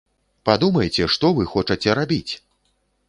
Падумайце, што вы хочаце рабіць!